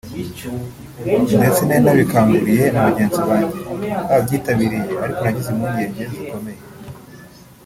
ndetse nari nabikanguriye na bagenzi banjye babyitabiriye ariko nagize impungenge zikomye